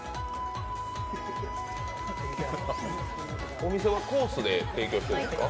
お店はコースで提供しているんですか？